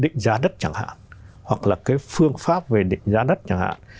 định giá đất chẳng hạn hoặc là cái phương pháp về định giá đất chẳng hạn